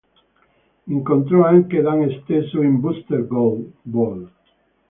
Incontrò anche Dan stesso in "Booster Gold" vol.